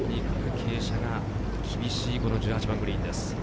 傾斜が厳しい１８番のグリーンです。